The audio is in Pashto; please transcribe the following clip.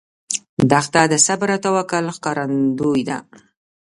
دښته د صبر او توکل ښکارندوی ده.